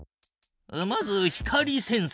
まず光センサ。